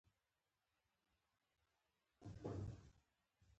هغوی د اقتصادي پرمختیا په لټه کې دي.